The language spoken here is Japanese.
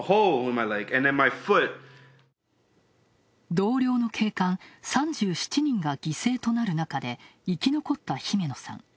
同僚の警官３７人が犠牲となる中で、生き残ったヒメノさん。